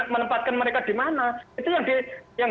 menempatkan mereka di mana itu yang